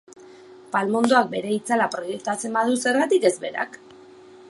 Palmondoak bere itzala proiektatzen badu, zergatik ez berak?